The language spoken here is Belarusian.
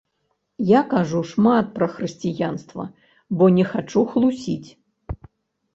Я кажу шмат пра хрысціянства, бо не хачу хлусіць.